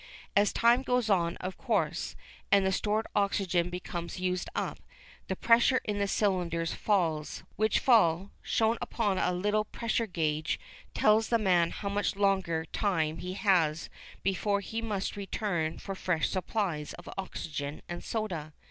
As time goes on, of course, and the stored oxygen becomes used up, the pressure in the cylinders falls, which fall, shown upon a little pressure gauge, tells the man how much longer time he has before he must return for fresh supplies of oxygen and soda.